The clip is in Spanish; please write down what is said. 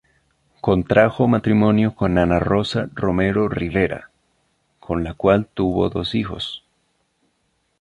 Contrajo matrimonio con Ana Rosa Romero Rivera, con la cual tuvo dos hijos.